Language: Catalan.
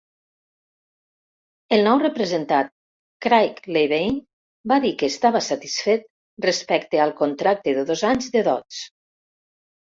El nou representant Craig Levein va dir que estava "satisfet" respecte al contracte de dos anys de Dods.